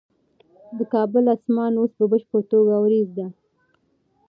د کابل اسمان اوس په بشپړه توګه وریځ دی.